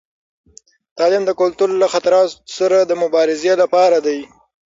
تعلیم د کلتور له خطراتو سره د مبارزې لپاره دی.